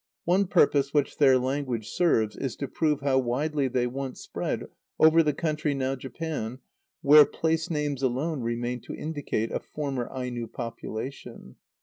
One purpose which their language serves is to prove how widely they once spread over the country now Japan, where place names alone remain to indicate a former Aino population.